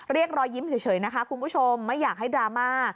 รอยยิ้มเฉยนะคะคุณผู้ชมไม่อยากให้ดราม่า